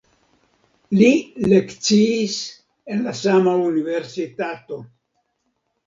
Li lekciis en la sama universitato.